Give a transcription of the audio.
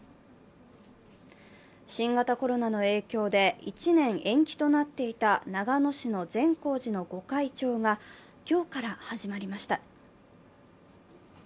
新型コロナの影響で、１年延期となっていた長野市の善光寺の御開帳が今日から始まりました。